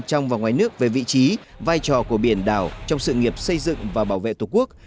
trong và ngoài nước về vị trí vai trò của biển đảo trong sự nghiệp xây dựng và bảo vệ tổ quốc